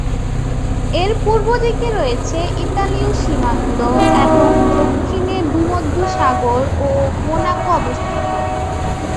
এর পূর্ব দিকে রয়েছে ইতালীয় সীমান্ত, এবং দক্ষিণে ভূমধ্যসাগর ও মোনাকো অবস্থিত।